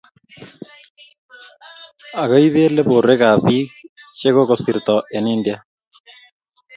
akaibele borwekab biik che kikusirto eng' India.